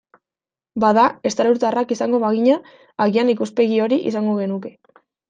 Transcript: Bada, estralurtarrak izango bagina, agian ikuspegi hori izango genuke.